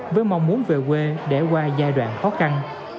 với mong muốn về quê để qua giai đoạn khó khăn